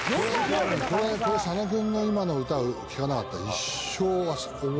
これ多分佐野くんの今の歌を聴かなかったら。